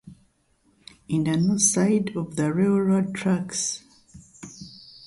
It is the north side of the railroad tracks.